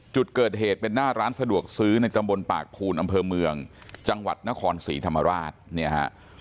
จุดเกิดเหตุเป็นหน้าร้านสะดวกซื้อในตำบลปากภูนอำเภอเมืองจังหวัดนครศรีธรรมราชเนี่ยฮะ